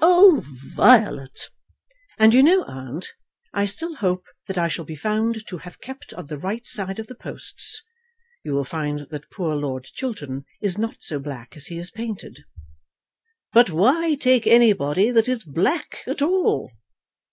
Oh, Violet." "And you know, aunt, I still hope that I shall be found to have kept on the right side of the posts. You will find that poor Lord Chiltern is not so black as he is painted." "But why take anybody that is black at all?"